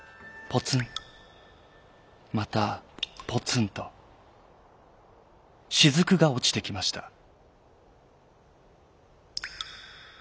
ポツンまたポツンとしずくがおちてきました。